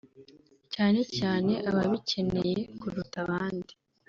cyane cyane ababikeneye kuruta abandi